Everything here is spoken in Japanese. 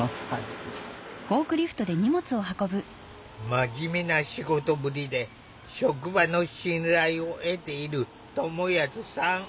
真面目な仕事ぶりで職場の信頼を得ている友康さん。